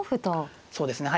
そうですね。